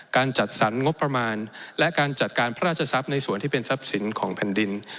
จัดสรรงบประมาณและการจัดการพระราชทรัพย์ในส่วนที่เป็นทรัพย์สินของแผ่นดิน